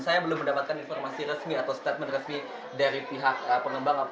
saya belum mendapatkan informasi resmi atau statement resmi dari pihak pengembang